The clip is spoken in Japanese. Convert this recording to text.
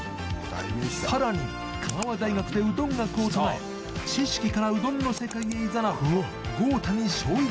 さらに香川大学でうどん学を唱え知識からうどんの世界へいざなう合谷祥一